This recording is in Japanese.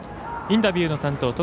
インタビューの担当